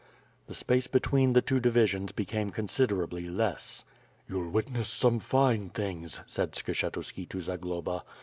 The space between the two divisions became considerably less. "You'll witness some fine things," said Skshetuski to Za globa.